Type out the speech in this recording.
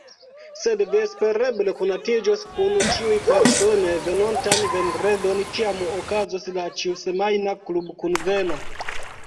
Sed vi espereble konatiĝos kun ĉiuj persone venontan vendredon, kiam okazos la ĉiusemajna klubkunveno.